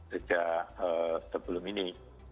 sejak sebelum ini